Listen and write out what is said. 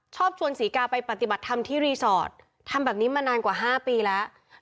ชอบชวนศรีกาไปปฏิบัติธรรมที่รีสอร์ททำแบบนี้มานานกว่า๕ปีแล้ว